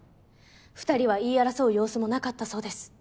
２人は言い争う様子もなかったそうです。